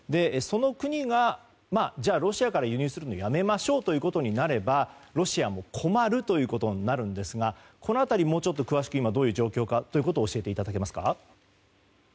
その国がロシアから輸入するのをやめましょうとなればロシアも困るということになるんですがこの辺り、もうちょっと詳しく今、どういう状況か教えていただけますか。